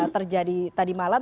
terjadi tadi malam